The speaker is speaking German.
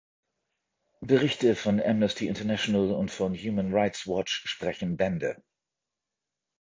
Berichte von Amnesty International und von Human Rights Watch sprechen Bände.